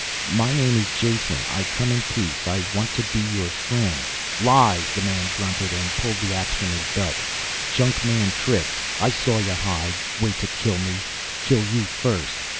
"My name is Jason. I come in peace. I want to be your friend ..." "Lies!" the man grunted, and pulled the ax from his belt. "Junkman tricks. I saw y'hide. Wait to kill me. Kill you first."